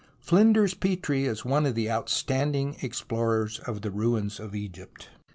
Flinders Petrie is one of the outstanding explorers of the ruins of Egypt.